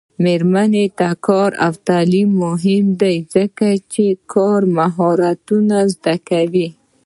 د میرمنو کار او تعلیم مهم دی ځکه چې کار مهارتونو زدکړه کوي.